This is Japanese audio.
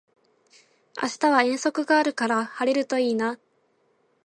明日は遠足があるから晴れるといいな